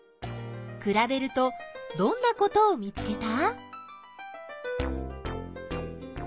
くらべるとどんなことを見つけた？